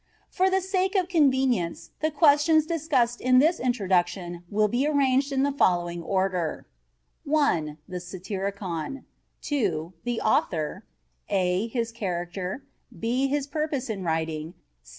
For the sake of convenience the questions discussed in this introduction will be arranged in the following order: 1. The Satyricon. 2. The Author. a His Character. b His Purpose in Writing.